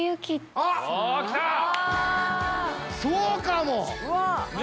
そうかも！